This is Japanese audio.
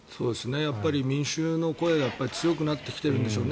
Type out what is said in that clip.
やっぱり民衆の声が強くなってきているんでしょう。